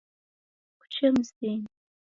Kuche mzinyi .